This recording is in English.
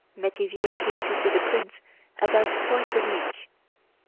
Métivier came to see the prince about twice a week.